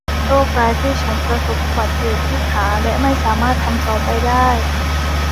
โชคร้ายที่ฉันประสบอุบัติเหตุที่ขาและไม่สามารถทำต่อไปได้